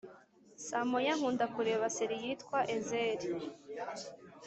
saa moya nkunda kureba serie yitwa ezeli